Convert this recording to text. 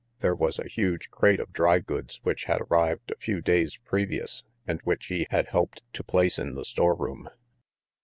There was a huge crate of dry goods which had arrived a few days previous and which he had helped to place in the storeroom.